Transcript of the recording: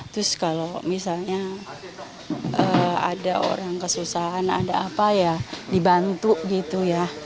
terus kalau misalnya ada orang kesusahan ada apa ya dibantu gitu ya